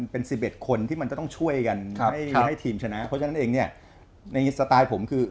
เพราะฉะนั้นเองในนี้สไตล์ผมคือ